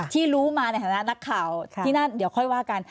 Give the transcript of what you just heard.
ที่รู้มาในฐานะนักข่าวที่นั่นเดี๋ยวค่อยว่ากัน